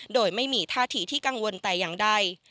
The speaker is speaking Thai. โดยไม่มีท่าทีที่กังวลแต่อย่างใด